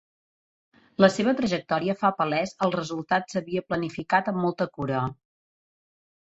La seva trajectòria fa palès el resultat s'havia planificat amb molta cura.